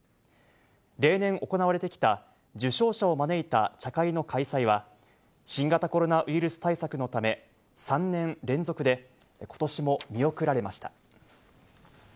例年行われてきた、受章者を招いた茶会の開催は新型コロナウイルス対策のため３年連続で今年も見送られました。